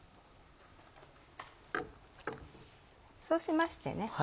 そうしましてね